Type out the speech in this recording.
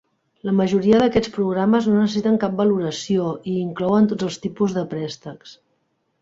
La majoria d'aquests programes no necessiten cap valoració i inclouen tots els tipus de préstecs.